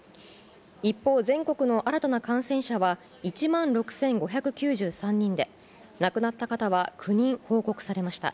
一方、全国の新たな感染者は、１万６５９３人で、亡くなった方は９人報告されました。